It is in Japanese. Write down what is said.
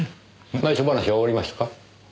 内緒話は終わりましたか？